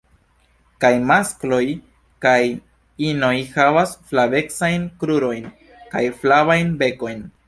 Kaj maskloj kaj inoj havas flavecajn krurojn kaj flavajn bekojn.